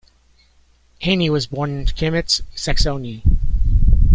Heyne was born in Chemnitz, Saxony.